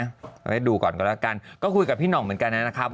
เอาให้ดูก่อนก็แล้วกันก็คุยกับพี่หน่องเหมือนกันนะครับ